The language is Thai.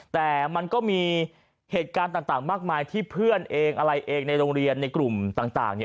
แต่มันก็มีเหตุการณ์ต่างมากมายที่เพื่อนเองอะไรเองในโรงเรียนในกลุ่มต่างเนี่ย